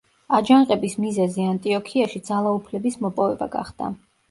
აჯანყების მიზეზი ანტიოქიაში ძალაუფლების მოპოვება გახდა.